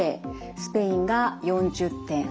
スペインが４０．８。